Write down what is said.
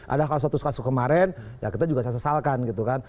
ada kalau satu satu kemarin ya kita juga saya sesalkan gitu kan